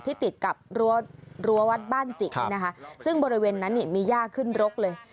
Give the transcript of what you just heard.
ที่ติดกับรั้ววัดบ้านจิกซึ่งบริเวณนั้นมียากขึ้นรกเลย